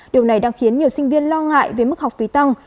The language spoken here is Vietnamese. điều này đang khiến nhiều sinh viên lo ngại về mức học phí tăng